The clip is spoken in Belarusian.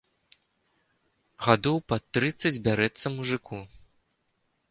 Гадоў пад трыццаць бярэцца мужыку.